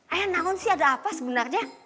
ayah namun sih ada apa sebenarnya